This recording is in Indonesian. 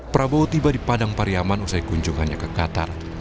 prabowo tiba di padang pariaman usai kunjungannya ke qatar